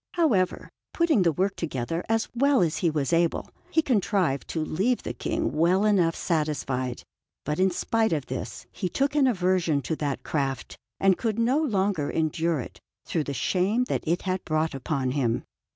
However, putting the work together as well as he was able, he contrived to leave the King well enough satisfied; but in spite of this he took an aversion to that craft and could no longer endure it, through the shame that it had brought upon him.